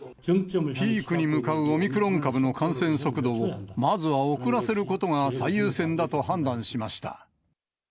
ピークに向かうオミクロン株の感染速度を、まずは遅らせることが最優先だと判断しました。